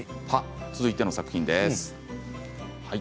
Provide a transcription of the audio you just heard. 続いての作品です。